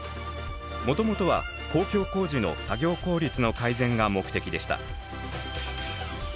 もともとは公共工事の作業効率の改善が目的でした。